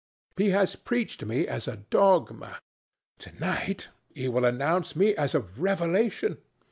He has preached me as a dogma; to night he will announce me as a revelation.